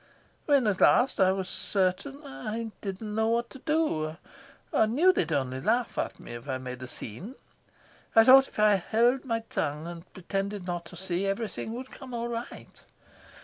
When at last I was certain I didn't know what to do; I knew they'd only laugh at me if I made a scene. I thought if I held my tongue and pretended not to see, everything would come right.